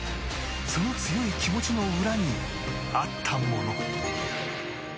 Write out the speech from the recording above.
その強い気持ちの裏にあったもの。